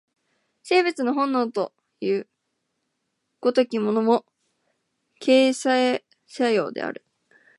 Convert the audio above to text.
生物の本能という如きものも、形成作用である。